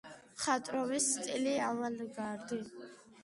მხატვრობის სტილი ავანგარდი.